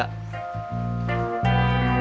aku aja mau muang